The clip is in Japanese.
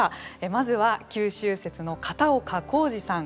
まずは、九州説の片岡宏二さん。